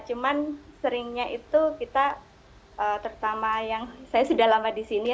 cuman seringnya itu kita terutama yang saya sudah lama di sini